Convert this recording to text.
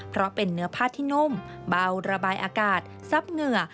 เพราะเป็นเนื้อผ้าที่นุ่มเบาระบายอากาศซับเหงื่อ